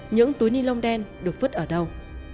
những túi ni lông đen được vứt ở đâu